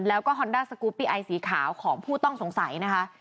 แล้วก็ฮอนด้าสกูปปี้ไอสีขาวของผู้ต้องสงสัยนะคะ